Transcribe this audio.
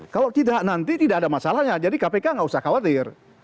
kalau tidak nanti tidak ada masalahnya jadi kpk nggak usah khawatir